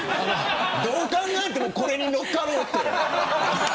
どう考えてもこれに乗っかろうって。